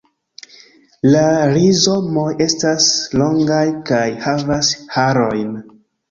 La rizomoj estas longaj kaj havas harojn.